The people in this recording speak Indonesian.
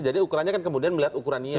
jadi ukurannya kan kemudian melihat ukuran niat